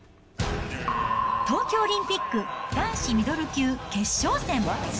東京オリンピック男子ミドル級決勝戦。